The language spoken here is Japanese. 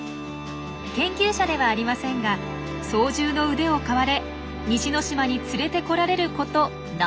研究者ではありませんが操縦の腕を買われ西之島に連れてこられること７回目。